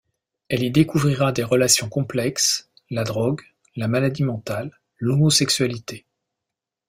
Elle y découvrira des relations complexes, la drogue, la maladie mentale, l'homosexualité.